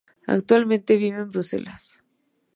Actualmente, vive en Bruselas.